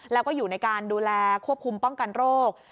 แล้วก็อยู่ในการดูแลควบคุมป้องกันโรค